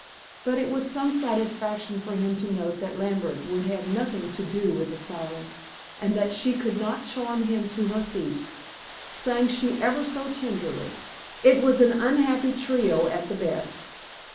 But it was some satisfaction for him to note that Lambert would have nothing to do with the siren, and that she could not charm him to her feet, sang she ever so tenderly. It was an unhappy trio at the best.